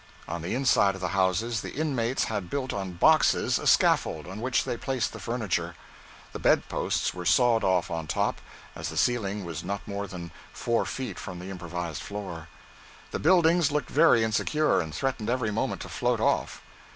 On the inside of the houses the inmates had built on boxes a scaffold on which they placed the furniture. The bed posts were sawed off on top, as the ceiling was not more than four feet from the improvised floor. The buildings looked very insecure, and threatened every moment to float off.